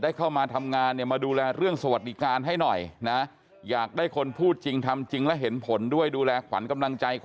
และขายเงินเดือนมันนานแล้วก็ได้ปลา